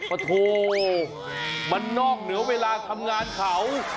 โถมันนอกเหนือเวลาทำงานเขา